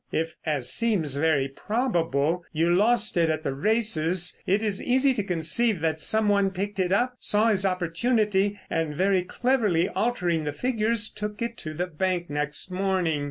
If, as seems very probable, you lost it at the races, it is easy to conceive that some one picked it up, saw his opportunity, and very cleverly altering the figures took it to the bank next morning."